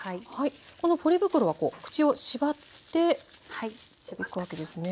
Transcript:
このポリ袋はこう口を縛っておくわけですね。